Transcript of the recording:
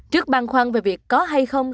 trước bàn khoan về việc có hay không